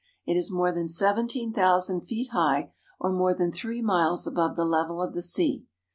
It is more than seventeen thousand feet high, or more than three miles above the level of the sea.